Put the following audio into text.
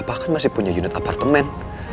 papa kan masih punya unit apartemen